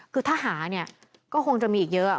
คือถ้าหาเนี่ยก็คงจะมีอีกเยอะ